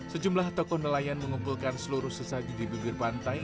sejumlah tokoh nelayan mengumpulkan seluruh sesaji di bibir pantai